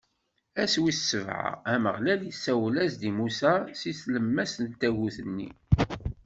Ass wis sebɛa, Ameɣlal isawel-as-d i Musa si tlemmast n tagut-nni.